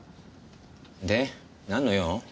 でなんの用？